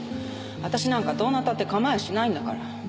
私なんかどうなったってかまいやしないんだから。